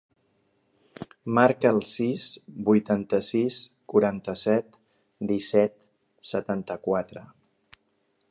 Marca el sis, vuitanta-sis, quaranta-set, disset, setanta-quatre.